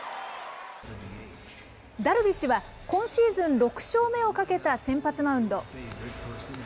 ダルビッシュは今シーズン６勝目をかけた先発マウンド。